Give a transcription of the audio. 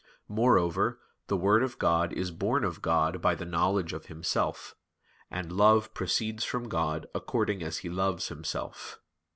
Moreover the Word of God is born of God by the knowledge of Himself; and Love proceeds from God according as He loves Himself.